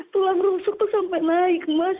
tulang rusuk tuh sampai naik mas